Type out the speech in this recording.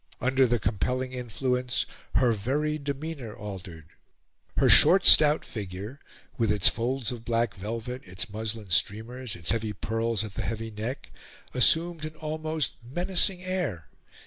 Under the compelling influence, her very demeanour altered. Her short, stout figure, with its folds of black velvet, its muslin streamers, its heavy pearls at the heavy neck, assumed an almost menacing air.